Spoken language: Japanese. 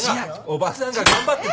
おばさんが頑張って。